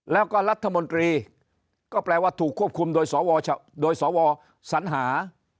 แล้วก็รัฐมนตรีก็แปลว่าถูกควบคุมโดยสวสัญหา